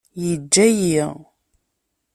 Yeǧǧa-iyi.